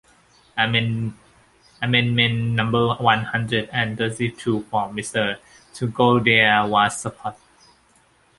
Amendment number one hundred and thirty two from Mr Taugourdeau was supported.